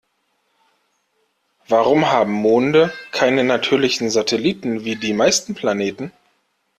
Warum haben Monde keine natürlichen Satelliten wie die meisten Planeten?